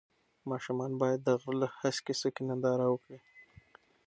ماشومان باید د غره له هسکې څوکې ننداره وکړي.